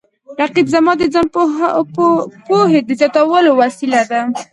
رقیب زما د ځان پوهې د زیاتولو وسیله ده